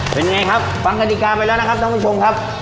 เป็นไงครับฟังกฎิกาไปแล้วนะครับท่านผู้ชมครับ